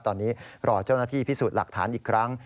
ตอนนี้รอเจ้าหน้าที่พิสูจน์หลักฐานอีกครั้ง